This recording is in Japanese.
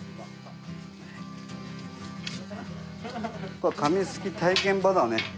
ここは紙すき体験場だね。